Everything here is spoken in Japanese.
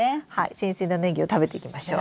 新鮮なネギを食べていきましょう。